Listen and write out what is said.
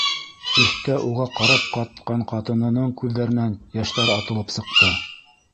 Өҫтә уға ҡарап ҡатҡан ҡатынының күҙҙәренән йәштәр атылып сыҡты.